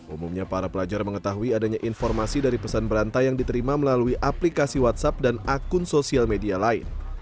umumnya para pelajar mengetahui adanya informasi dari pesan berantai yang diterima melalui aplikasi whatsapp dan akun sosial media lain